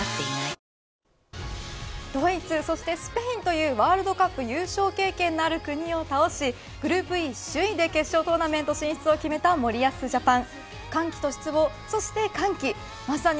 ドイツそしてスペインというワールドカップ優勝経験のある国を倒しグループＥ首位で決勝トーナメント進出を決めた森保ジャパン。